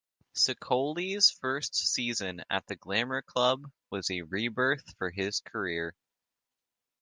Ceccoli's first season at the glamour club was a rebirth for his career.